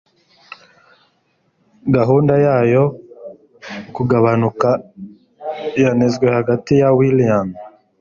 Gahunda ya yo kugabanuka yanenzwe hagati ya Willian